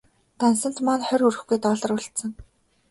Дансанд маань хорь хүрэхгүй доллар үлдсэн.